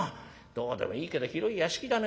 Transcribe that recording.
どうでもいいけど広い屋敷だね